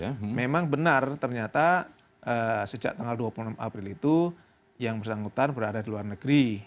dan memang benar ternyata sejak tanggal dua puluh enam april itu yang bersangkutan berada di luar negeri